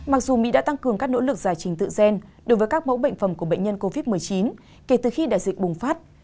mặc dù mỹ đã tăng cường các nỗ lực giải trình tự gen đối với các mẫu bệnh phẩm của bệnh nhân covid một mươi chín kể từ khi đại dịch bùng phát